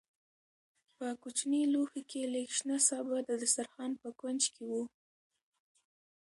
په کوچني لوښي کې لږ شنه سابه د دسترخوان په کونج کې وو.